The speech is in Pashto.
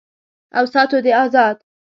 او ساتو دې آزاد